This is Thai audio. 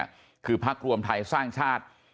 คือพักรวมไทยสร้างชาติ